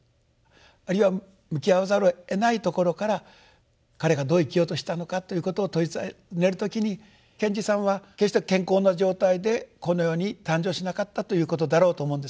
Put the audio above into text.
あるいは向き合わざるをえないところから彼がどう生きようとしたのかということをたずねる時に賢治さんは決して健康な状態でこの世に誕生しなかったということだろうと思うんですね。